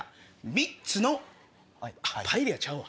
３つのパエリアちゃうわ。